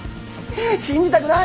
信じたくない！